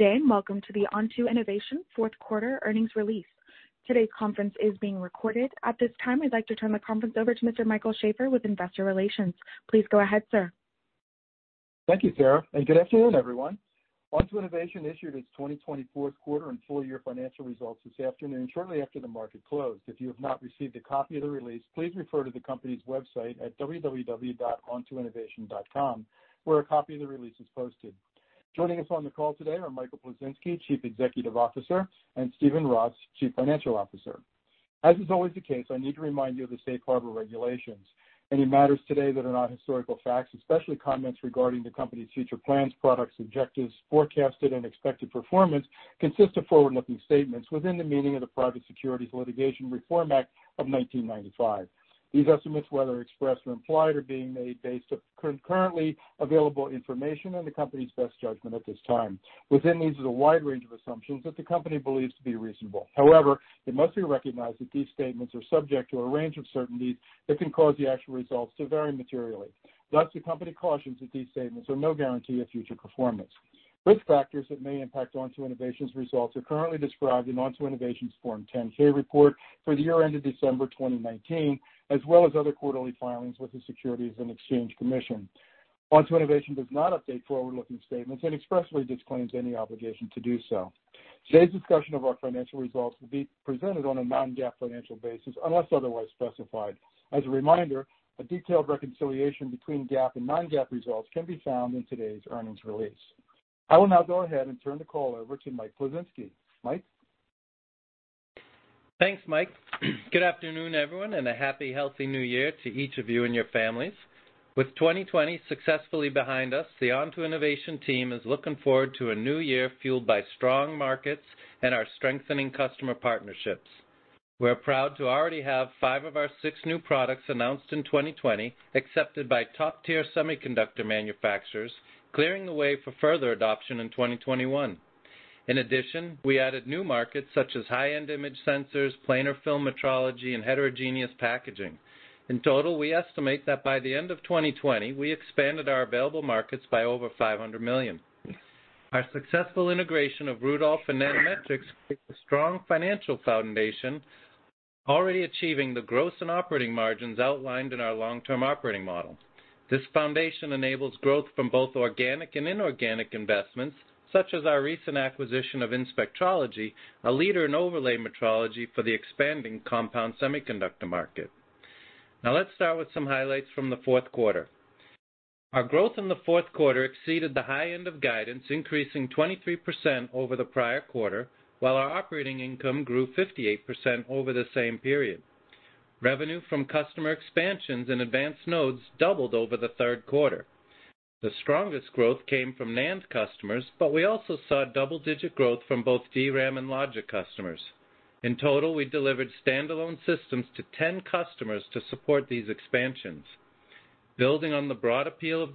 Today, and welcome to the Onto Innovation fourth quarter earnings release. Today's conference is being recorded. At this time, I'd like to turn the conference over to Mr. Michael Sheaffer with investor relations. Please go ahead, sir. Thank you, Sarah, and good afternoon, everyone. Onto Innovation issued its 2024 quarter and full year financial results this afternoon, shortly after the market closed. If you have not received a copy of the release, please refer to the company's website at www.OntoInnovation.com, where a copy of the release is posted. Joining us on the call today are Michael Plisinski, Chief Executive Officer, and Steven Roth, Chief Financial Officer. As is always the case, I need to remind you of the Safe Harbor regulations. Any matters today that are not historical facts, especially comments regarding the company's future plans, products, objectives, forecasted, and expected performance, consist of forward-looking statements within the meaning of the Private Securities Litigation Reform Act of 1995. These estimates, whether expressed or implied, are being made based on currently available information and the company's best judgment at this time. Within these is a wide range of assumptions that the company believes to be reasonable. However, it must be recognized that these statements are subject to a range of certainties that can cause the actual results to vary materially. Thus, the company cautions that these statements are no guarantee of future performance. Risk factors that may impact Onto Innovation's results are currently described in Onto Innovation's Form 10-K report for the year end of December 2019, as well as other quarterly filings with the Securities and Exchange Commission. Onto Innovation does not update forward-looking statements and expressly disclaims any obligation to do so. Today's discussion of our financial results will be presented on a non-GAAP financial basis unless otherwise specified. As a reminder, a detailed reconciliation between GAAP and non-GAAP results can be found in today's earnings release. I will now go ahead and turn the call over to Michael Plisinski. Michael. Thanks, Mike. Good afternoon, everyone, and a happy, healthy new year to each of you and your families. With 2020 successfully behind us, the Onto Innovation team is looking forward to a new year fueled by strong markets and our strengthening customer partnerships. We're proud to already have five of our six new products announced in 2020, accepted by top-tier semiconductor manufacturers, clearing the way for further adoption in 2021. In addition, we added new markets such as high-end image sensors, planar film metrology, and heterogeneous packaging. In total, we estimate that by the end of 2020, we expanded our available markets by over $500 million. Our successful integration of Rudolph and Nanometrics creates a strong financial foundation, already achieving the gross and operating margins outlined in our long-term operating model. This foundation enables growth from both organic and inorganic investments, such as our recent acquisition of Inspectrology, a leader in overlay metrology for the expanding compound semiconductor market. Now, let's start with some highlights from the fourth quarter. Our growth in the fourth quarter exceeded the high end of guidance, increasing 23% over the prior quarter, while our operating income grew 58% over the same period. Revenue from customer expansions and advanced nodes doubled over the third quarter. The strongest growth came from NAND customers, but we also saw double-digit growth from both DRAM and logic customers. In total, we delivered standalone systems to 10 customers to support these expansions. Building on the broad appeal of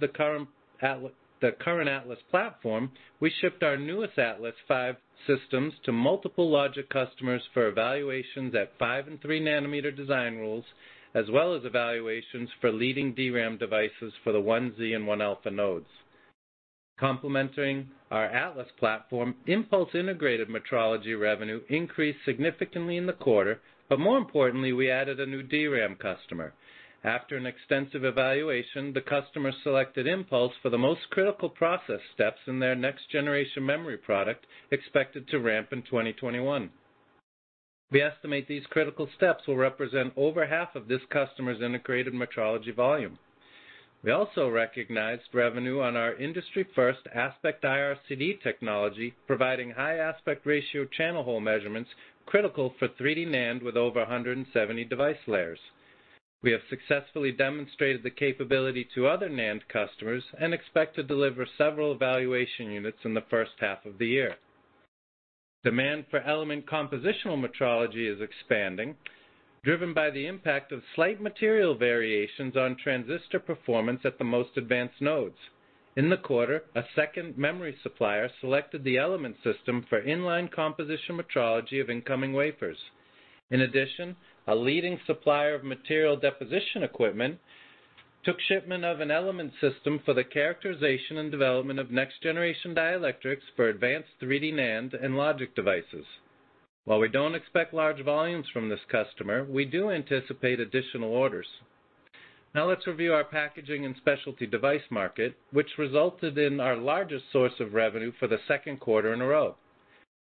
the current Atlas platform, we shipped our newest Atlas V systems to multiple logic customers for evaluations at 5 and 3 nanometer design rules, as well as evaluations for leading DRAM devices for the 1Z and 1 Alpha nodes. Complementing our Atlas platform, Impulse integrated metrology revenue increased significantly in the quarter, but more importantly, we added a new DRAM customer. After an extensive evaluation, the customer selected Impulse for the most critical process steps in their next-generation memory product expected to ramp in 2021. We estimate these critical steps will represent over half of this customer's integrated metrology volume. We also recognized revenue on our industry-first Aspect IRCD technology, providing high aspect ratio channel hole measurements critical for 3D NAND with over 170 device layers. We have successfully demonstrated the capability to other NAND customers and expect to deliver several evaluation units in the first half of the year. Demand for Element compositional metrology is expanding, driven by the impact of slight material variations on transistor performance at the most advanced nodes. In the quarter, a second memory supplier selected the Element System for inline composition metrology of incoming wafers. In addition, a leading supplier of material deposition equipment took shipment of an Element System for the characterization and development of next-generation dielectrics for advanced 3D NAND and logic devices. While we don't expect large volumes from this customer, we do anticipate additional orders. Now, let's review our packaging and specialty device market, which resulted in our largest source of revenue for the second quarter in a row.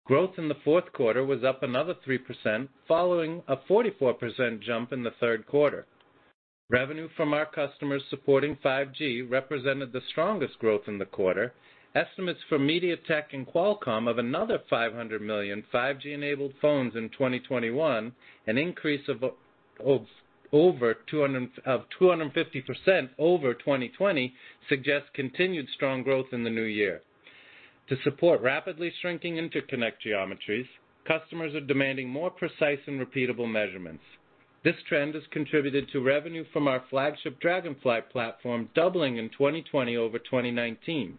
Growth in the fourth quarter was up another 3%, following a 44% jump in the third quarter. Revenue from our customers supporting 5G represented the strongest growth in the quarter. Estimates for MediaTek and Qualcomm of another 500 million 5G-enabled phones in 2021, an increase of over 250% over 2020, suggests continued strong growth in the new year. To support rapidly shrinking interconnect geometries, customers are demanding more precise and repeatable measurements. This trend has contributed to revenue from our flagship Dragonfly platform doubling in 2020 over 2019.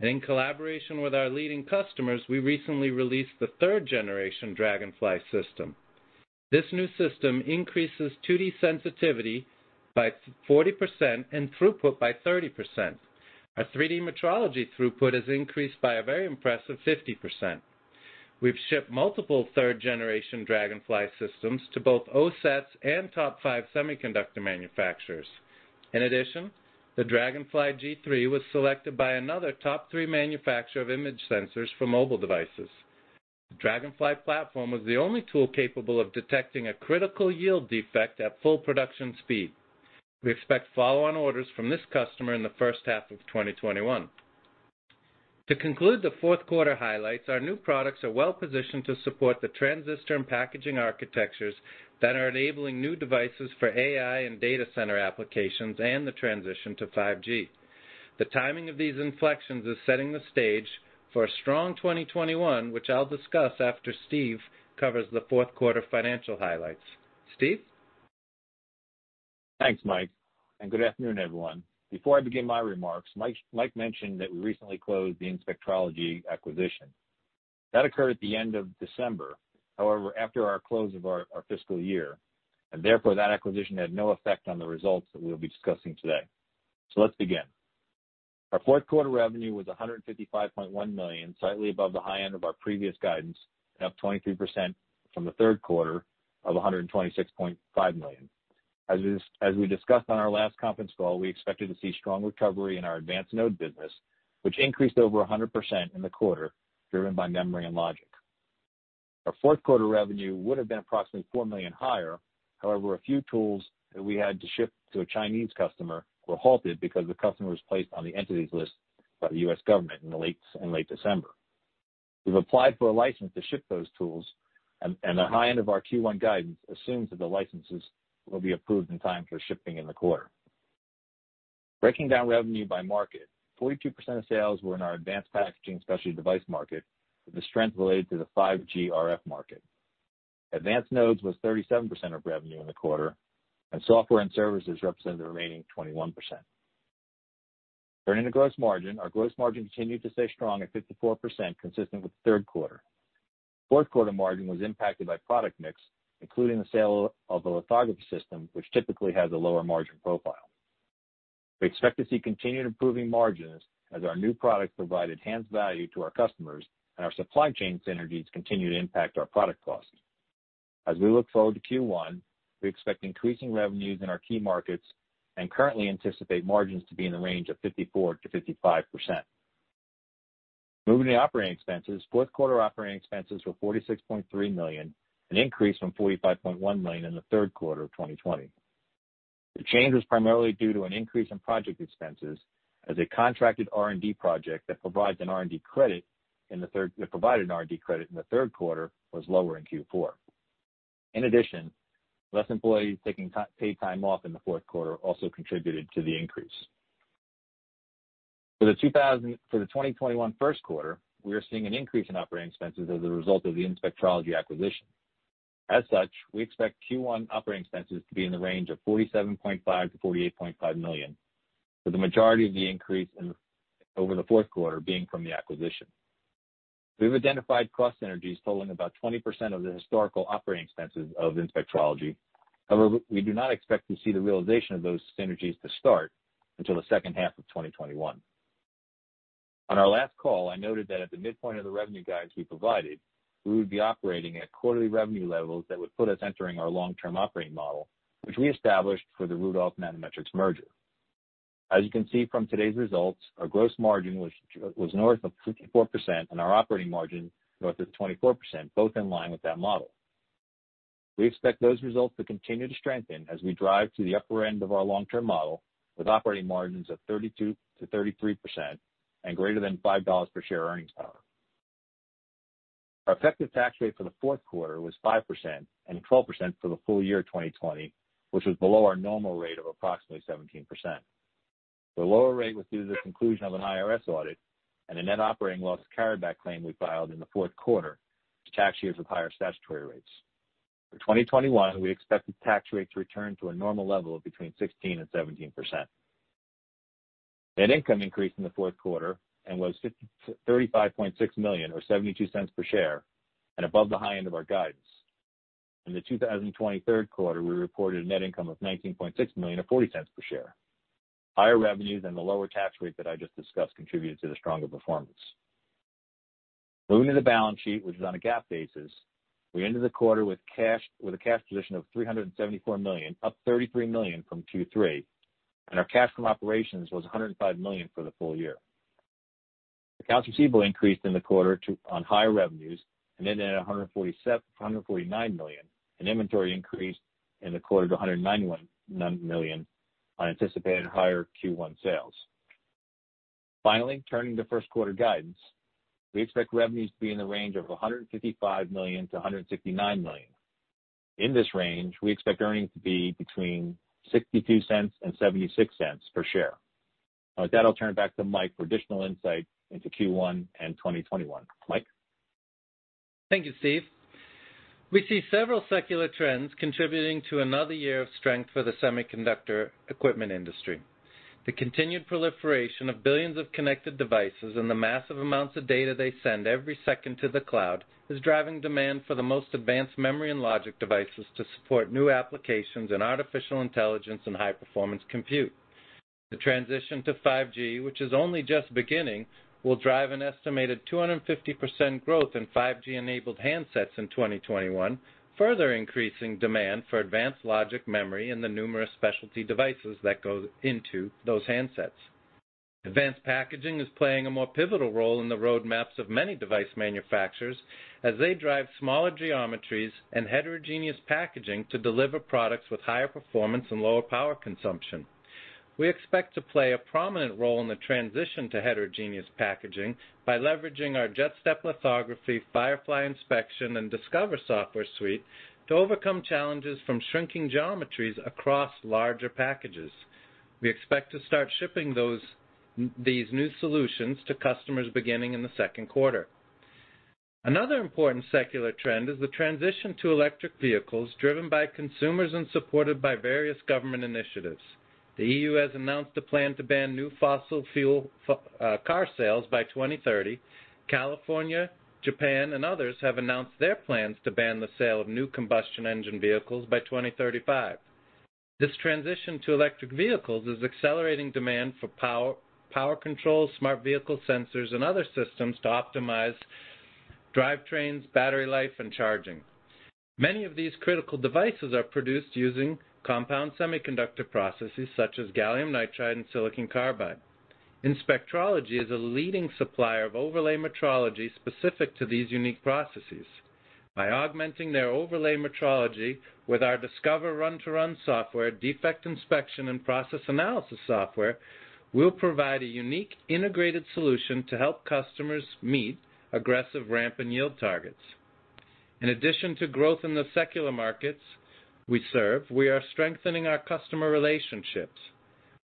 In collaboration with our leading customers, we recently released the third-generation Dragonfly system. This new system increases 2D sensitivity by 40% and throughput by 30%. Our 3D metrology throughput has increased by a very impressive 50%. We've shipped multiple third-generation Dragonfly systems to both OSATs and top five semiconductor manufacturers. In addition, the Dragonfly G3 was selected by another top three manufacturer of image sensors for mobile devices. The Dragonfly platform was the only tool capable of detecting a critical yield defect at full production speed. We expect follow-on orders from this customer in the first half of 2021. To conclude the fourth quarter highlights, our new products are well-positioned to support the transistor and packaging architectures that are enabling new devices for AI and data center applications and the transition to 5G. The timing of these inflections is setting the stage for a strong 2021, which I'll discuss after Steve covers the fourth quarter financial highlights. Steve? Thanks, Mike. And good afternoon, everyone. Before I begin my remarks, Mike mentioned that we recently closed the Inspectrology acquisition. That occurred at the end of December, however, after our close of our fiscal year. Therefore, that acquisition had no effect on the results that we'll be discussing today. Let's begin. Our fourth quarter revenue was $155.1 million, slightly above the high end of our previous guidance, up 23% from the third quarter of $126.5 million. As we discussed on our last conference call, we expected to see strong recovery in our advanced node business, which increased over 100% in the quarter, driven by memory and logic. Our fourth quarter revenue would have been approximately $4 million higher, however, a few tools that we had to ship to a Chinese customer were halted because the customer was placed on the entities list by the U.S. government in late December. We've applied for a license to ship those tools, and the high end of our Q1 guidance assumes that the licenses will be approved in time for shipping in the quarter. Breaking down revenue by market, 42% of sales were in our advanced packaging specialty device market, with the strength related to the 5G RF market. Advanced nodes was 37% of revenue in the quarter, and software and services represented the remaining 21%. Turning to gross margin, our gross margin continued to stay strong at 54%, consistent with the third quarter. Fourth quarter margin was impacted by product mix, including the sale of the lithography system, which typically has a lower margin profile. We expect to see continued improving margins as our new products provide enhanced value to our customers, and our supply chain synergies continue to impact our product cost. As we look forward to Q1, we expect increasing revenues in our key markets and currently anticipate margins to be in the range of 54-55%. Moving to operating expenses, fourth quarter operating expenses were $46.3 million, an increase from $45.1 million in the third quarter of 2020. The change was primarily due to an increase in project expenses, as a contracted R&D project that provides an R&D credit in the third that provided an R&D credit in the third quarter was lower in Q4. In addition, less employees taking paid time off in the fourth quarter also contributed to the increase. For the 2021 first quarter, we are seeing an increase in operating expenses as a result of the Inspectrology acquisition. As such, we expect Q1 operating expenses to be in the range of $47.5 million-$48.5 million, with the majority of the increase over the fourth quarter being from the acquisition. We've identified cost synergies totaling about 20% of the historical operating expenses of Inspectrology; however, we do not expect to see the realization of those synergies to start until the second half of 2021. On our last call, I noted that at the midpoint of the revenue guidance we provided, we would be operating at quarterly revenue levels that would put us entering our long-term operating model, which we established for the Rudolph Nanometrics merger. As you can see from today's results, our gross margin was north of 54%, and our operating margin north of 24%, both in line with that model. We expect those results to continue to strengthen as we drive to the upper end of our long-term model, with operating margins of 32-33% and greater than $5 per share earnings power. Our effective tax rate for the fourth quarter was 5% and 12% for the full year of 2020, which was below our normal rate of approximately 17%. The lower rate was due to the conclusion of an IRS audit and a net operating loss carried back claim we filed in the fourth quarter to tax years with higher statutory rates. For 2021, we expect the tax rate to return to a normal level of between 16 and 17%. Net income increased in the fourth quarter and was $35.6 million or $0.72 per share, and above the high end of our guidance. In the 2023 quarter, we reported a net income of $19.6 million or $0.40 per share. Higher revenues and the lower tax rate that I just discussed contributed to the stronger performance. Moving to the balance sheet, which is on a GAAP basis, we ended the quarter with a cash position of $374 million, up $33 million from Q3, and our cash from operations was $105 million for the full year. Accounts receivable increased in the quarter on high revenues and ended at $149 million, and inventory increased in the quarter to $191 million on anticipated higher Q1 sales. Finally, turning to first quarter guidance, we expect revenues to be in the range of $155 million-$169 million. In this range, we expect earnings to be between $0.62 and $0.76 per share. With that, I'll turn it back to Mike for additional insight into Q1 and 2021. Mike. Thank you, Steve. We see several secular trends contributing to another year of strength for the semiconductor equipment industry. The continued proliferation of billions of connected devices and the massive amounts of data they send every second to the cloud is driving demand for the most advanced memory and logic devices to support new applications in artificial intelligence and high-performance compute. The transition to 5G, which is only just beginning, will drive an estimated 250% growth in 5G-enabled handsets in 2021, further increasing demand for advanced logic memory and the numerous specialty devices that go into those handsets. Advanced packaging is playing a more pivotal role in the roadmaps of many device manufacturers as they drive smaller geometries and heterogeneous packaging to deliver products with higher performance and lower power consumption. We expect to play a prominent role in the transition to heterogeneous packaging by leveraging our JetStep Lithography, Firefly Inspection, and Discover software suite to overcome challenges from shrinking geometries across larger packages. We expect to start shipping these new solutions to customers beginning in the second quarter. Another important secular trend is the transition to electric vehicles driven by consumers and supported by various government initiatives. The EU has announced a plan to ban new fossil fuel car sales by 2030. California, Japan, and others have announced their plans to ban the sale of new combustion engine vehicles by 2035. This transition to electric vehicles is accelerating demand for power controls, smart vehicle sensors, and other systems to optimize drive trains, battery life, and charging. Many of these critical devices are produced using compound semiconductor processes such as gallium nitride and silicon carbide. Inspectrology is a leading supplier of overlay metrology specific to these unique processes. By augmenting their overlay metrology with our Discover run-to-run software, defect inspection, and process analysis software, we'll provide a unique integrated solution to help customers meet aggressive ramp and yield targets. In addition to growth in the secular markets we serve, we are strengthening our customer relationships.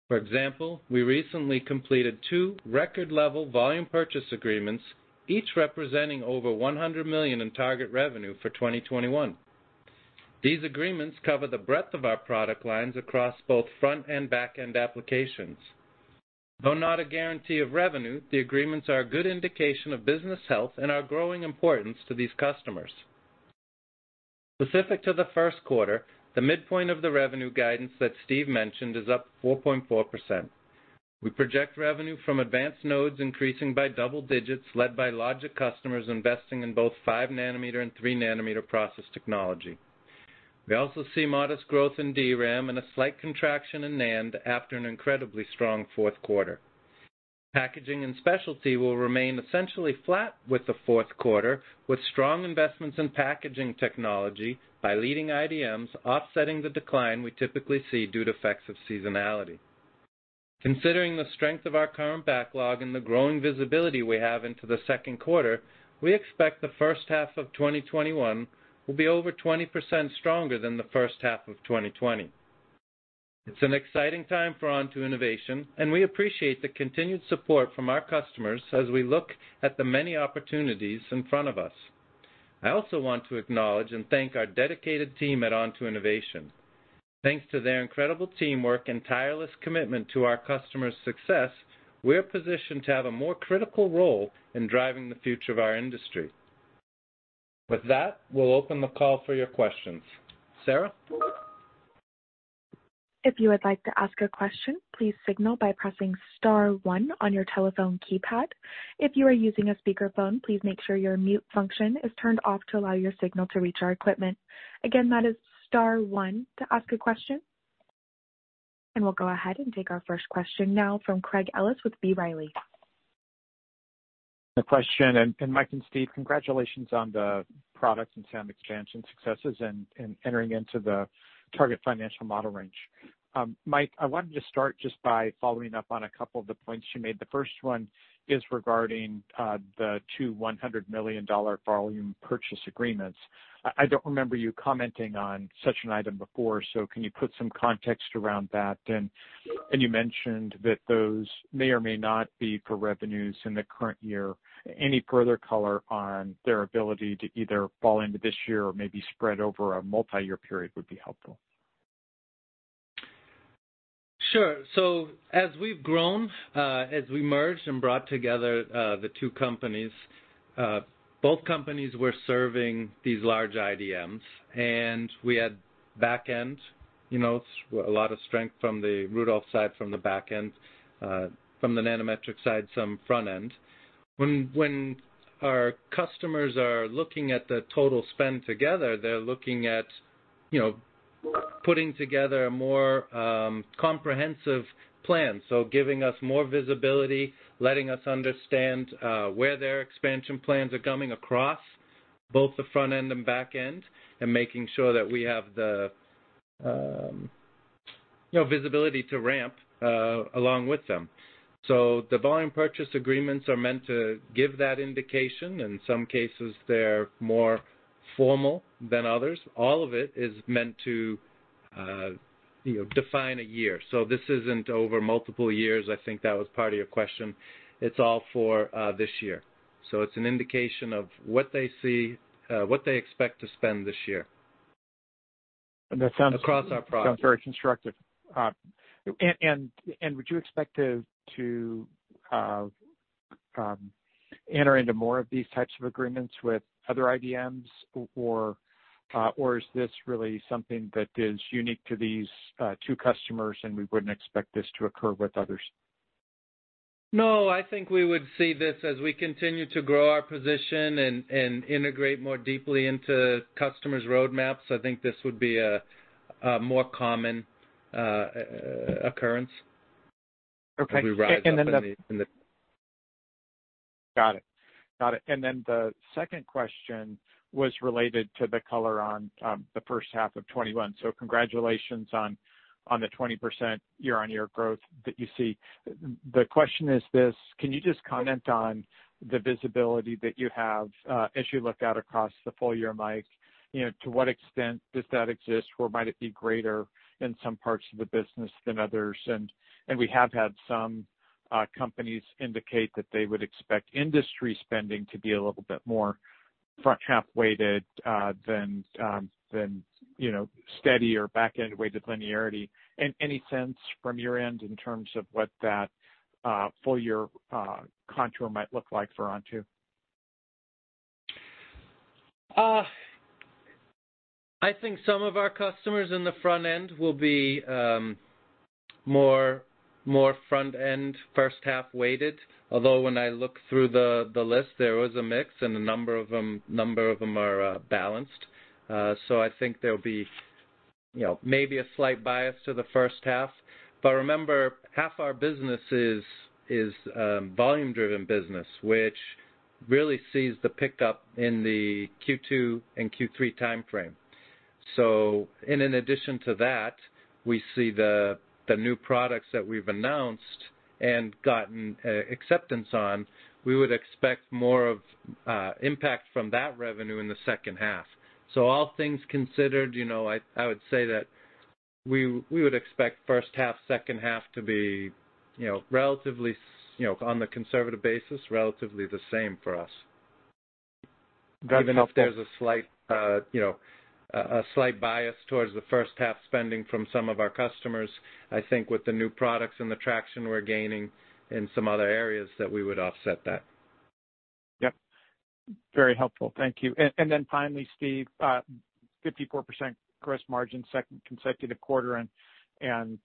For example, we recently completed two record-level volume purchase agreements, each representing over $100 million in target revenue for 2021. These agreements cover the breadth of our product lines across both front and back-end applications. Though not a guarantee of revenue, the agreements are a good indication of business health and our growing importance to these customers. Specific to the first quarter, the midpoint of the revenue guidance that Steve mentioned is up 4.4%. We project revenue from advanced nodes increasing by double digits, led by logic customers investing in both 5-nanometer and 3-nanometer process technology. We also see modest growth in DRAM and a slight contraction in NAND after an incredibly strong fourth quarter. Packaging and specialty will remain essentially flat with the fourth quarter, with strong investments in packaging technology by leading IDMs offsetting the decline we typically see due to effects of seasonality. Considering the strength of our current backlog and the growing visibility we have into the second quarter, we expect the first half of 2021 will be over 20% stronger than the first half of 2020. It's an exciting time for Onto Innovation, and we appreciate the continued support from our customers as we look at the many opportunities in front of us. I also want to acknowledge and thank our dedicated team at Onto Innovation. Thanks to their incredible teamwork and tireless commitment to our customers' success, we're positioned to have a more critical role in driving the future of our industry. With that, we'll open the call for your questions. Sarah? If you would like to ask a question, please signal by pressing Star 1 on your telephone keypad. If you are using a speakerphone, please make sure your mute function is turned off to allow your signal to reach our equipment. Again, that is Star 1 to ask a question. We will go ahead and take our first question now from Craig Ellis with BofA. The question, and Mike and Steve, congratulations on the product and sound expansion successes and entering into the target financial model range. Mike, I wanted to start just by following up on a couple of the points you made. The first one is regarding the two $100 million volume purchase agreements. I do not remember you commenting on such an item before, so can you put some context around that? You mentioned that those may or may not be for revenues in the current year. Any further color on their ability to either fall into this year or maybe spread over a multi-year period would be helpful. Sure. As we have grown, as we merged and brought together the two companies, both companies were serving these large IDMs, and we had back-end, a lot of strength from the Rudolph side, from the back-end, from the Nanometrics side, some front-end. When our customers are looking at the total spend together, they are looking at putting together a more comprehensive plan, giving us more visibility, letting us understand where their expansion plans are coming across both the front-end and back-end, and making sure that we have the visibility to ramp along with them. The volume purchase agreements are meant to give that indication. In some cases, they are more formal than others. All of it is meant to define a year. This is not over multiple years. I think that was part of your question. It is all for this year. It's an indication of what they see, what they expect to spend this year. That sounds very constructive. Would you expect to enter into more of these types of agreements with other IDMs, or is this really something that is unique to these two customers, and we would not expect this to occur with others? No, I think we would see this as we continue to grow our position and integrate more deeply into customers' roadmaps. I think this would be a more common occurrence as we rise. Got it. Got it. The second question was related to the color on the first half of 2021. Congratulations on the 20% year-on-year growth that you see. The question is this: can you just comment on the visibility that you have as you look out across the full year, Mike? To what extent does that exist? Where might it be greater in some parts of the business than others? We have had some companies indicate that they would expect industry spending to be a little bit more front-half-weighted than steady or back-end-weighted linearity. Any sense from your end in terms of what that full-year contour might look like for Onto? I think some of our customers in the front-end will be more front-end, first-half-weighted. Although when I look through the list, there was a mix, and a number of them are balanced. I think there'll be maybe a slight bias to the first half. Remember, half our business is volume-driven business, which really sees the pickup in the Q2 and Q3 timeframe. In addition to that, we see the new products that we've announced and gotten acceptance on. We would expect more of impact from that revenue in the second half. All things considered, I would say that we would expect first half, second half to be relatively, on the conservative basis, relatively the same for us. Even if there's a slight bias towards the first half spending from some of our customers, I think with the new products and the traction we're gaining in some other areas that we would offset that. Yep. Very helpful. Thank you. Finally, Steve, 54% gross margin second consecutive quarter, and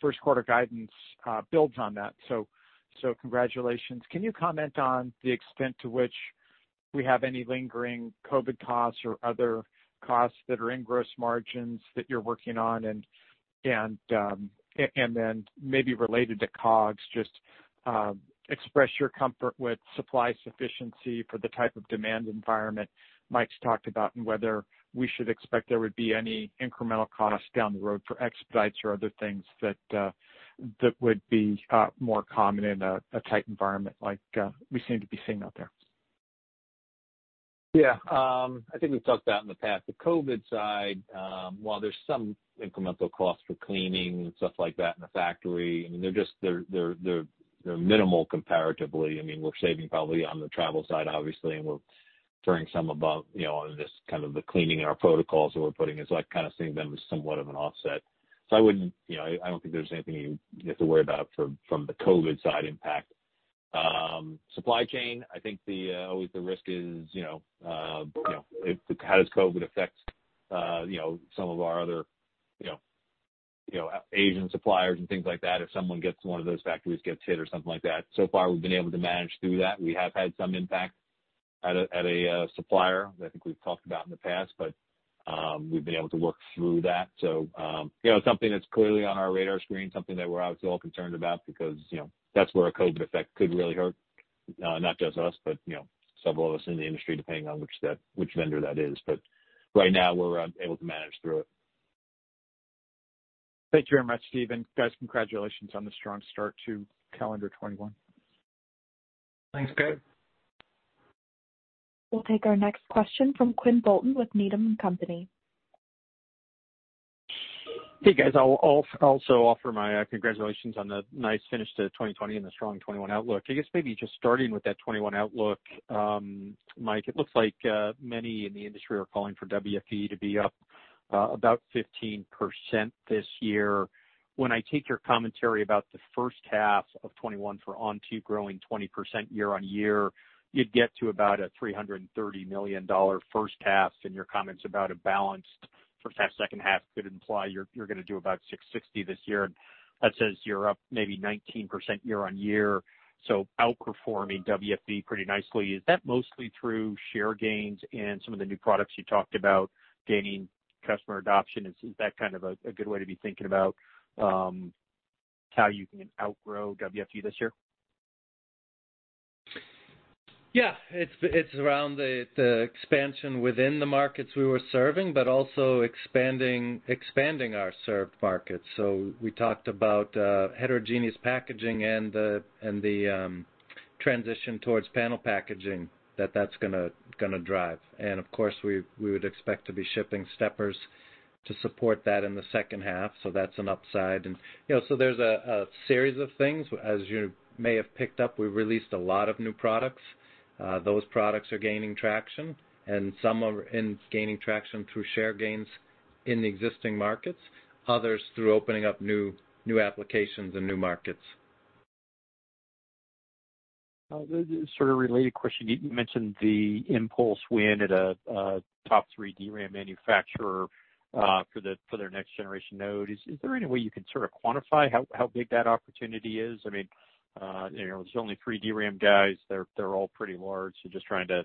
first quarter guidance builds on that. Congratulations. Can you comment on the extent to which we have any lingering COVID costs or other costs that are in gross margins that you're working on? Maybe related to COGS, just express your comfort with supply sufficiency for the type of demand environment Mike's talked about and whether we should expect there would be any incremental costs down the road for expedites or other things that would be more common in a tight environment like we seem to be seeing out there. Yeah. I think we've talked about in the past. The COVID side, while there's some incremental costs for cleaning and stuff like that in the factory, I mean, they're minimal comparatively. I mean, we're saving probably on the travel side, obviously, and we're turning some about on this kind of the cleaning and our protocols that we're putting in, so I kind of see them as somewhat of an offset. I wouldn't—I don't think there's anything you have to worry about from the COVID side impact. Supply chain, I think always the risk is how does COVID affect some of our other Asian suppliers and things like that if someone gets—one of those factories gets hit or something like that. So far, we've been able to manage through that. We have had some impact at a supplier that I think we've talked about in the past, but we've been able to work through that. It is something that's clearly on our radar screen, something that we're obviously all concerned about because that's where a COVID effect could really hurt, not just us, but several of us in the industry, depending on which vendor that is. Right now, we're able to manage through it. Thank you very much, Steve. Guys, congratulations on the strong start to calendar 2021. Thanks, Craig. We'll take our next question from Quinn Bolton with Needham & Company. Hey, guys. I'll also offer my congratulations on the nice finish to 2020 and the strong 2021 outlook. I guess maybe just starting with that 2021 outlook, Mike, it looks like many in the industry are calling for WFE to be up about 15% this year. When I take your commentary about the first half of 2021 for Onto growing 20% year-on-year, you'd get to about a $330 million first half. And your comments about a balanced first half, second half could imply you're going to do about $660 million this year. And that says you're up maybe 19% year-on-year, so outperforming WFE pretty nicely. Is that mostly through share gains and some of the new products you talked about gaining customer adoption? Is that kind of a good way to be thinking about how you can outgrow WFE this year? Yeah. It is around the expansion within the markets we were serving, but also expanding our served markets. We talked about heterogeneous packaging and the transition towards panel packaging that that is going to drive. Of course, we would expect to be shipping steppers to support that in the second half. That is an upside. There is a series of things. As you may have picked up, we have released a lot of new products. Those products are gaining traction, and some are gaining traction through share gains in the existing markets, others through opening up new applications and new markets. This is sort of a related question. You mentioned the Impulse win at a top-three DRAM manufacturer for their next-generation node. Is there any way you can sort of quantify how big that opportunity is? I mean, there's only three DRAM guys. They're all pretty large. Just trying to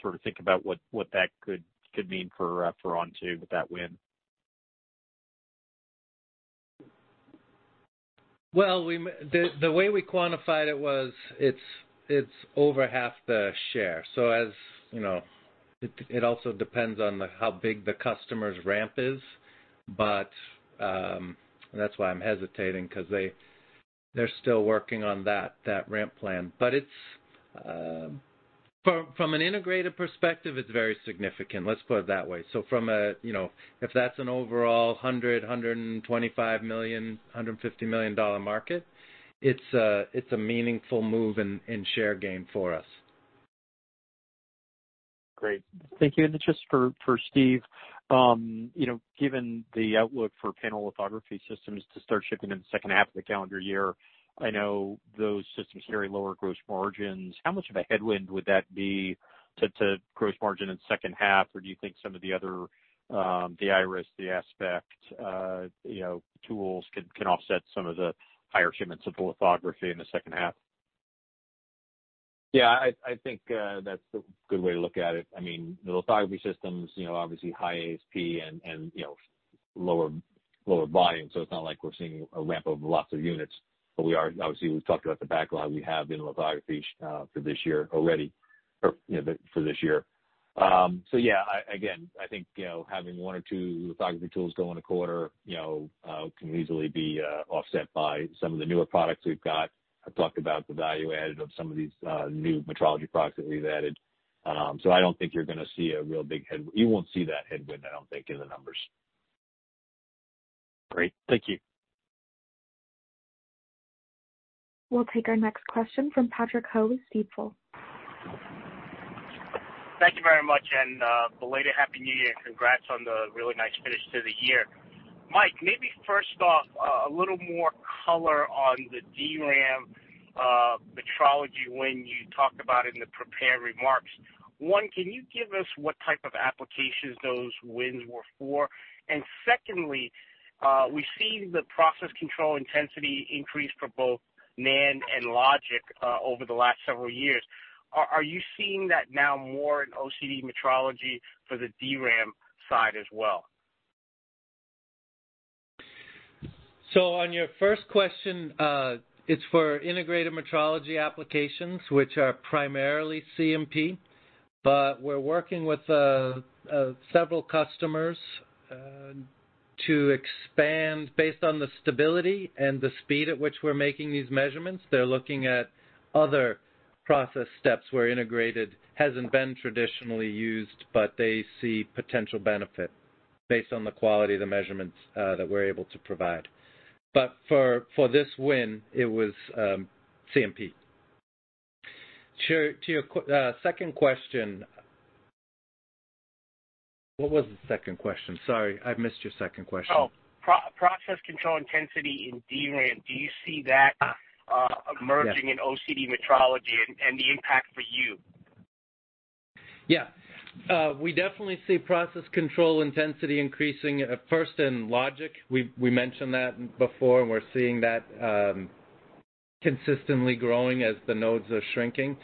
sort of think about what that could mean for Onto with that win. The way we quantified it was it's over half the share. It also depends on how big the customer's ramp is. That is why I'm hesitating because they're still working on that ramp plan. From an integrated perspective, it's very significant. Let's put it that way. If that's an overall $100 million-$125 million-$150 million market, it's a meaningful move in share gain for us. Great. Thank you. And just for Steve, given the outlook for panel lithography systems to start shipping in the second half of the calendar year, I know those systems carry lower gross margins. How much of a headwind would that be to gross margin in the second half? Or do you think some of the other IRIS, the Aspect tools can offset some of the higher shipments of the lithography in the second half? Yeah. I think that's a good way to look at it. I mean, the lithography systems, obviously high ASP and lower volume. It's not like we're seeing a ramp of lots of units. We are, obviously, we've talked about the backlog we have in lithography for this year already or for this year. Yeah, again, I think having one or two lithography tools go in a quarter can easily be offset by some of the newer products we've got. I've talked about the value added of some of these new metrology products that we've added. I don't think you're going to see a real big headwind. You won't see that headwind, I don't think, in the numbers. Great. Thank you. We'll take our next question from Patrick Ho with Stifel. Thank you very much. And Belayda, happy New Year and congrats on the really nice finish to the year. Mike, maybe first off, a little more color on the DRAM metrology win you talked about in the prepared remarks. One, can you give us what type of applications those wins were for? And secondly, we've seen the process control intensity increase for both NAND and logic over the last several years. Are you seeing that now more in OCD metrology for the DRAM side as well? On your first question, it's for integrated metrology applications, which are primarily CMP. We're working with several customers to expand based on the stability and the speed at which we're making these measurements. They're looking at other process steps where integrated hasn't been traditionally used, but they see potential benefit based on the quality of the measurements that we're able to provide. For this win, it was CMP. To your second question—what was the second question? Sorry, I missed your second question. Oh, process control intensity in DRAM. Do you see that emerging in OCD metrology and the impact for you? Yeah. We definitely see process control intensity increasing first in logic. We mentioned that before, and we're seeing that consistently growing as the nodes are shrinking.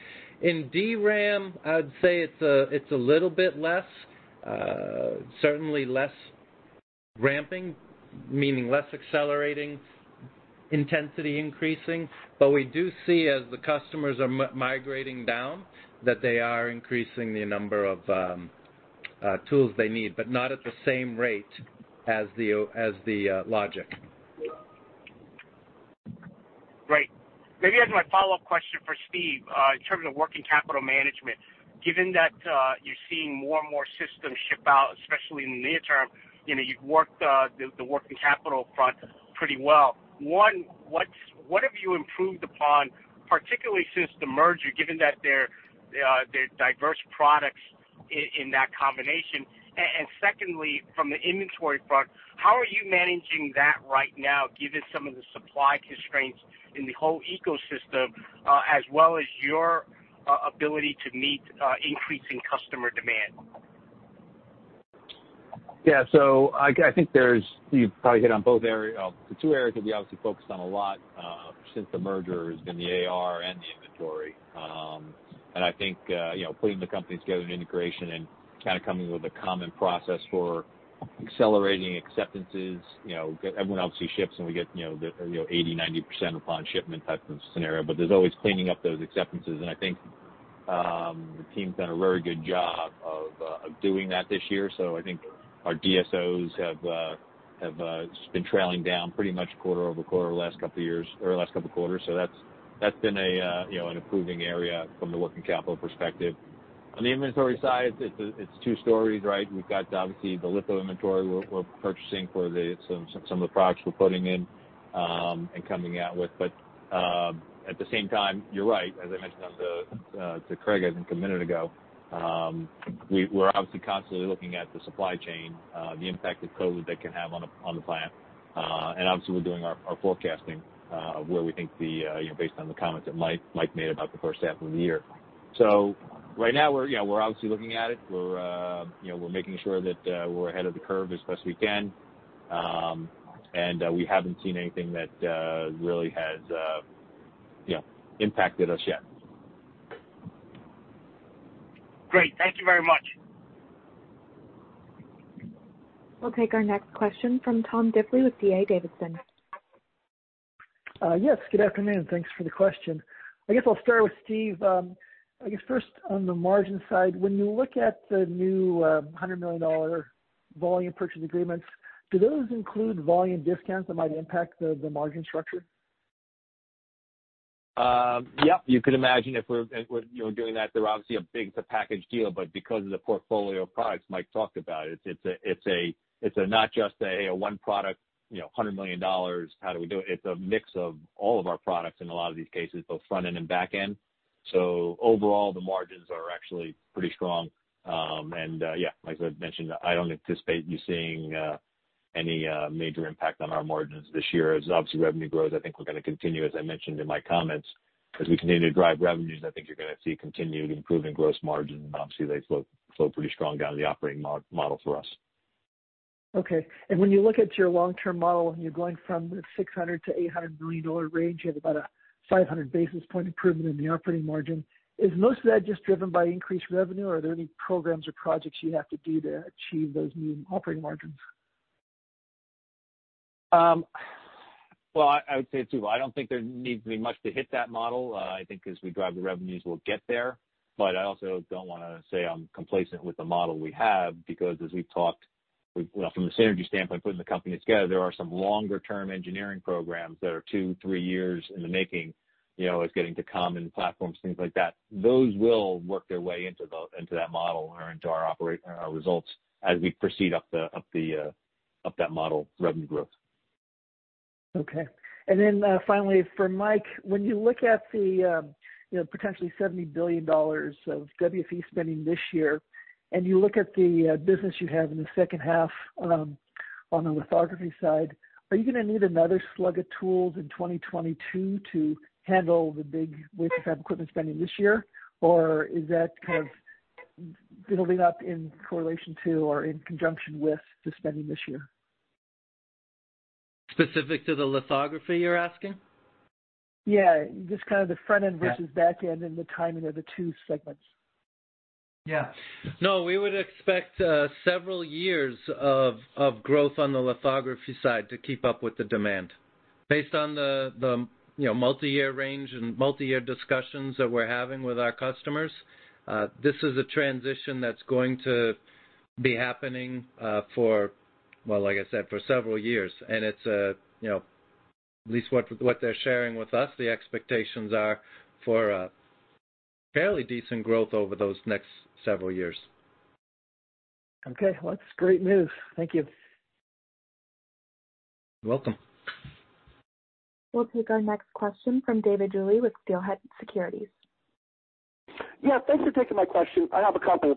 In DRAM, I'd say it's a little bit less, certainly less ramping, meaning less accelerating intensity increasing. We do see, as the customers are migrating down, that they are increasing the number of tools they need, but not at the same rate as the logic. Great. Maybe as a follow-up question for Steve, in terms of working capital management, given that you're seeing more and more systems ship out, especially in the near term, you've worked the working capital front pretty well. One, what have you improved upon, particularly since the merger, given that there are diverse products in that combination? Secondly, from the inventory front, how are you managing that right now, given some of the supply constraints in the whole ecosystem, as well as your ability to meet increasing customer demand? Yeah. I think you've probably hit on both areas. The two areas that we obviously focused on a lot since the merger have been the AR and the inventory. I think putting the companies together in integration and kind of coming with a common process for accelerating acceptances. Everyone obviously ships, and we get 80%-90% upon shipment type of scenario. There's always cleaning up those acceptances. I think the team's done a very good job of doing that this year. I think our DSOs have been trailing down pretty much quarter over quarter the last couple of quarters. That's been an improving area from the working capital perspective. On the inventory side, it's two stories, right? We've got obviously the litho inventory we're purchasing for some of the products we're putting in and coming out with. At the same time, you're right. As I mentioned to Craig a minute ago, we're obviously constantly looking at the supply chain, the impact of COVID that can have on the plant. We're obviously doing our forecasting of where we think the—based on the comments that Mike made about the first half of the year. Right now, we're obviously looking at it. We're making sure that we're ahead of the curve as best we can. We haven't seen anything that really has impacted us yet. Great. Thank you very much. We'll take our next question from Tom Difley with DA Davidson. Yes. Good afternoon. Thanks for the question. I guess I'll start with Steve. I guess first, on the margin side, when you look at the new $100 million volume purchase agreements, do those include volume discounts that might impact the margin structure? Yeah. You could imagine if we're doing that, they're obviously a big-to-package deal. Because of the portfolio of products Mike talked about, it's not just a one product, $100 million, how do we do it? It's a mix of all of our products in a lot of these cases, both front end and back end. Overall, the margins are actually pretty strong. Yeah, like I mentioned, I don't anticipate you seeing any major impact on our margins this year. As revenue grows, I think we're going to continue, as I mentioned in my comments. As we continue to drive revenues, I think you're going to see continued improving gross margin. Obviously, they flow pretty strong down the operating model for us. Okay. When you look at your long-term model and you're going from the $600-$800 million range, you have about a 500 basis point improvement in the operating margin. Is most of that just driven by increased revenue, or are there any programs or projects you have to do to achieve those new operating margins? I would say it's twofold. I don't think there needs to be much to hit that model. I think as we drive the revenues, we'll get there. I also don't want to say I'm complacent with the model we have because, as we've talked, from the synergy standpoint, putting the company together, there are some longer-term engineering programs that are two, three years in the making, like getting to common platforms, things like that. Those will work their way into that model or into our results as we proceed up that model revenue growth. Okay. And then finally, for Mike, when you look at the potentially $70 billion of WFE spending this year, and you look at the business you have in the second half on the lithography side, are you going to need another slug of tools in 2022 to handle the big WFE equipment spending this year, or is that kind of building up in correlation to or in conjunction with the spending this year? Specific to the lithography, you're asking? Yeah. Just kind of the front end versus back end and the timing of the two segments. Yeah. No, we would expect several years of growth on the lithography side to keep up with the demand. Based on the multi-year range and multi-year discussions that we're having with our customers, this is a transition that's going to be happening for, like I said, for several years. It is at least what they're sharing with us. The expectations are for fairly decent growth over those next several years. Okay. That is great news. Thank you. You're welcome. We'll take our next question from David Julie with Steelhead Securities. Yeah. Thanks for taking my question. I have a couple.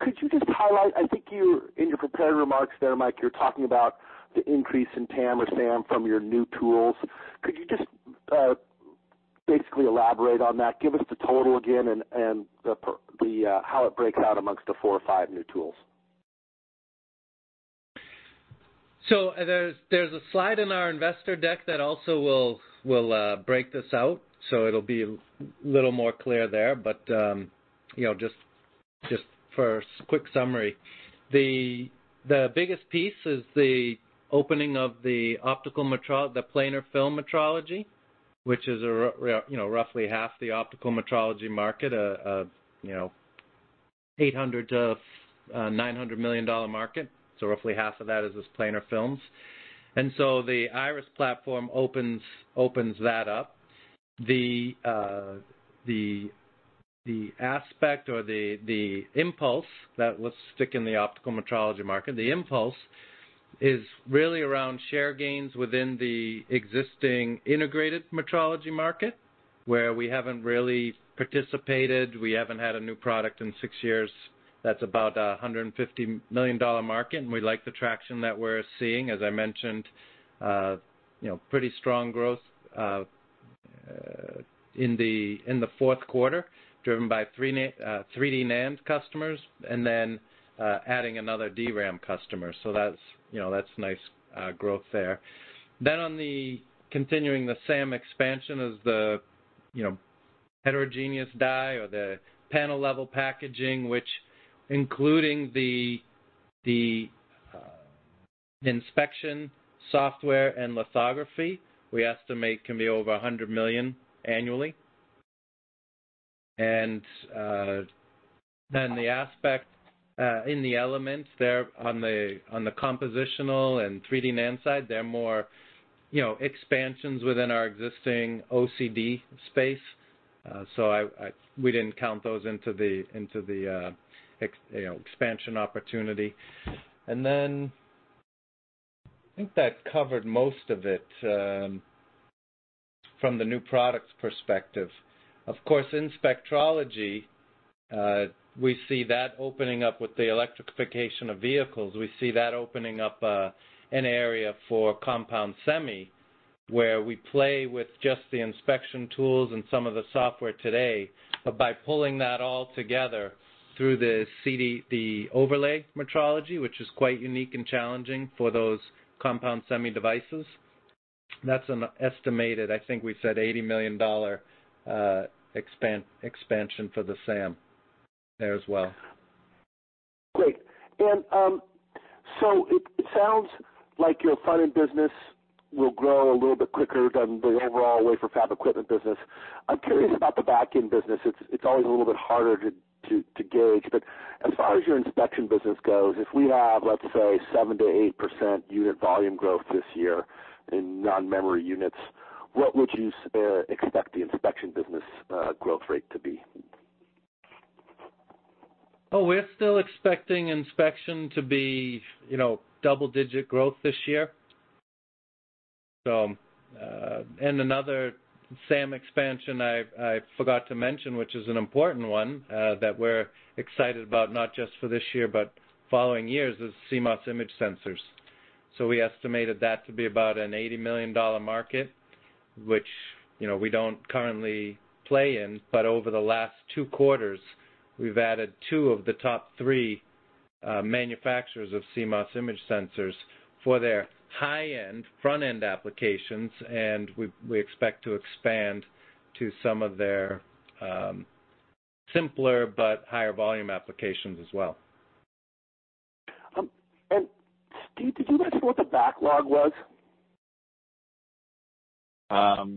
Could you just highlight, I think in your prepared remarks there, Mike, you're talking about the increase in TAM or SAM from your new tools. Could you just basically elaborate on that? Give us the total again and how it breaks out amongst the four or five new tools. There is a slide in our investor deck that also will break this out. It will be a little more clear there. Just for a quick summary, the biggest piece is the opening of the optical, the planar film metrology, which is roughly half the optical metrology market, a $800 million-$900 million market. Roughly half of that is this planar films, and the IRIS platform opens that up. The Aspect or the Impulse that was stick in the optical metrology market, the Impulse is really around share gains within the existing integrated metrology market, where we have not really participated. We have not had a new product in six years. That is about a $150 million market, and we like the traction that we are seeing. As I mentioned, pretty strong growth in the fourth quarter, driven by 3D NAND customers, and then adding another DRAM customer. That's nice growth there. Continuing the SAM expansion is the heterogeneous die or the panel-level packaging, which, including the inspection software and lithography, we estimate can be over $100 million annually. The Aspect and the Element System there on the compositional and 3D NAND side are more expansions within our existing OCD space. We did not count those into the expansion opportunity. I think that covered most of it from the new products perspective. Of course, Inspectrology, we see that opening up with the electrification of vehicles. We see that opening up an area for compound semiconductor, where we play with just the inspection tools and some of the software today. By pulling that all together through the overlay metrology, which is quite unique and challenging for those compound semi devices, that's an estimated, I think we said, $80 million expansion for the SAM there as well. Great. It sounds like your front-end business will grow a little bit quicker than the overall Wafer Fab equipment business. I'm curious about the back-end business. It's always a little bit harder to gauge. As far as your inspection business goes, if we have, let's say, 7-8% unit volume growth this year in non-memory units, what would you expect the inspection business growth rate to be? Oh, we're still expecting inspection to be double-digit growth this year. Another SAM expansion I forgot to mention, which is an important one that we're excited about, not just for this year, but following years, is CMOS image sensors. We estimated that to be about an $80 million market, which we do not currently play in. Over the last two quarters, we've added two of the top three manufacturers of CMOS image sensors for their high-end front-end applications. We expect to expand to some of their simpler but higher volume applications as well. Steve, did you guys know what the backlog was?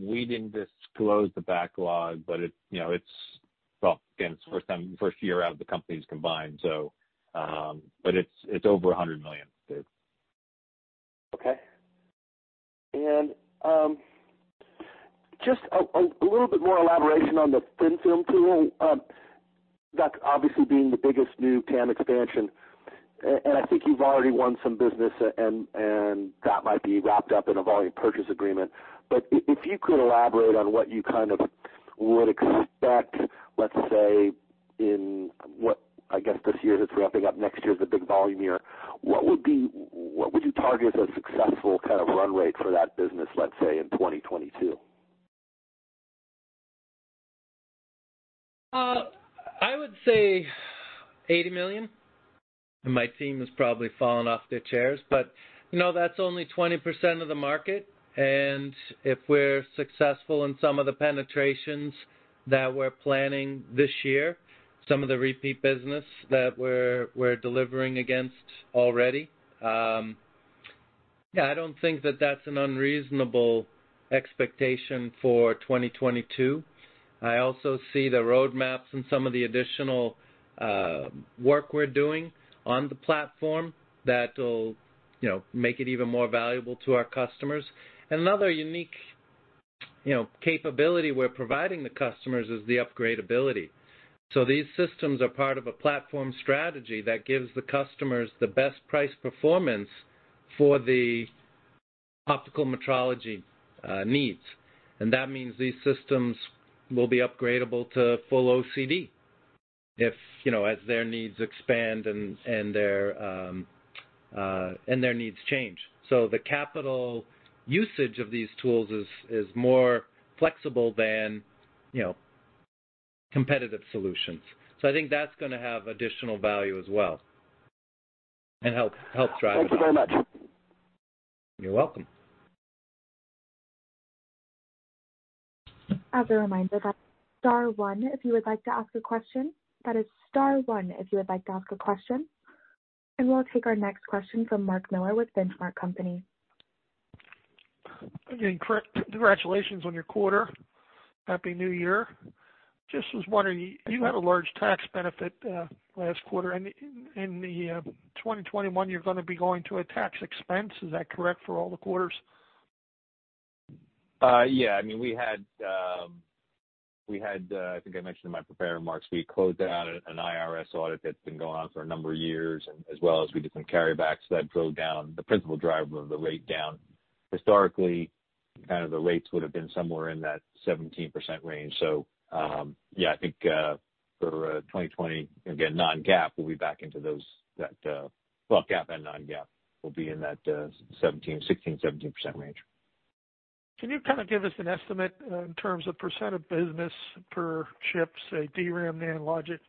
We didn't disclose the backlog, but it's, again, it's the first year out of the companies combined. But it's over $100 million. Okay. Just a little bit more elaboration on the thin film tool, that's obviously being the biggest new TAM expansion. I think you've already won some business, and that might be wrapped up in a volume purchase agreement. If you could elaborate on what you kind of would expect, let's say, in what I guess this year is wrapping up, next year is a big volume year, what would you target as a successful kind of run rate for that business, let's say, in 2022? I would say $80 million. My team has probably fallen off their chairs. That is only 20% of the market. If we are successful in some of the penetrations that we are planning this year, some of the repeat business that we are delivering against already, I do not think that is an unreasonable expectation for 2022. I also see the roadmaps and some of the additional work we are doing on the platform that will make it even more valuable to our customers. Another unique capability we are providing the customers is the upgradeability. These systems are part of a platform strategy that gives the customers the best price performance for the optical metrology needs. That means these systems will be upgradable to full OCD as their needs expand and their needs change. The capital usage of these tools is more flexible than competitive solutions. I think that's going to have additional value as well and help drive it. Thank you very much. You're welcome. As a reminder, that's Star One. If you would like to ask a question, that is Star One. We will take our next question from Mark Miller with Benchmark Company. Again, congratulations on your quarter. Happy New Year. Just was wondering, you had a large tax benefit last quarter. In 2021, you're going to be going to a tax expense. Is that correct for all the quarters? Yeah. I mean, we had, I think I mentioned in my prepared remarks, we closed out an IRS audit that's been going on for a number of years, as well as we did some carrybacks that drove down the principal driver of the rate down. Historically, kind of the rates would have been somewhere in that 17% range. Yeah, I think for 2020, again, non-GAAP, we'll be back into those that, well, GAAP and non-GAAP will be in that 16-17% range. Can you kind of give us an estimate in terms of % of business per chips, say, DRAM, NAND, logic,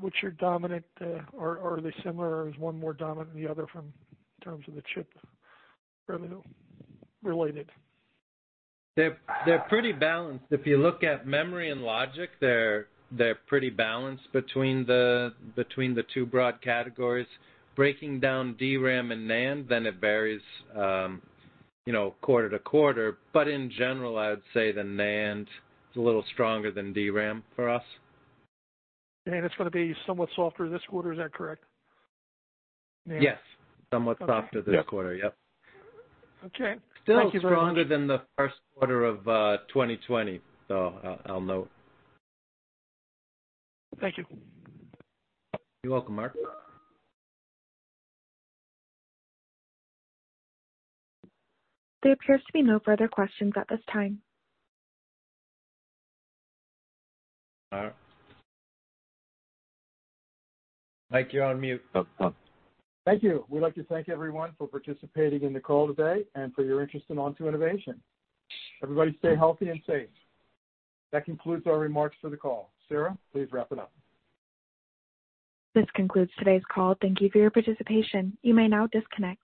which are dominant, or are they similar, or is one more dominant than the other in terms of the chip revenue related? They're pretty balanced. If you look at memory and logic, they're pretty balanced between the two broad categories. Breaking down DRAM and NAND, then it varies quarter to quarter. In general, I would say the NAND is a little stronger than DRAM for us. It is going to be somewhat softer this quarter. Is that correct? Yes. Somewhat softer this quarter. Yep. Okay. Thank you very much. Still stronger than the first quarter of 2020, though, I'll note. Thank you. You're welcome, Mark. There appears to be no further questions at this time. All right. Mike, you're on mute. Thank you. We'd like to thank everyone for participating in the call today and for your interest in Onto Innovation. Everybody stay healthy and safe. That concludes our remarks for the call. Sarah, please wrap it up. This concludes today's call. Thank you for your participation. You may now disconnect.